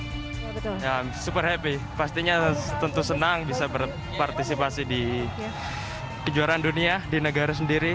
saya sangat senang pastinya tentu senang bisa berpartisipasi di kejuaraan dunia di negara sendiri